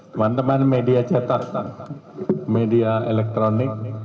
teman teman media cetak media elektronik